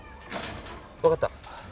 わかった。